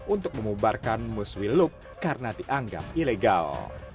untuk memubarkan muswiluk karena dianggap ilegal